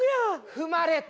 踏まれた。